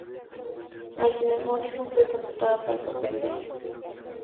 Al final, Morrison fue contratada para el papel de Emma.